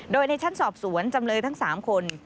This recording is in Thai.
โดยในชั้นสอบสวนจำเลยทั้ง๓คน